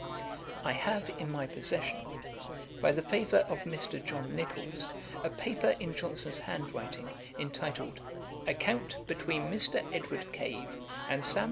A.D. 1738.] I have in my possession, by the favour of Mr. John Nichols, a paper in Johnson's hand writing, entitled 'Account between Mr. Edward Cave and Sam.